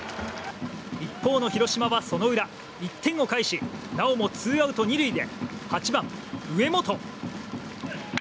一方の広島は、その裏１点を返しなおもツーアウト２塁で８番、上本。